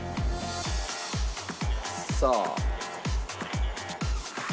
「さあ」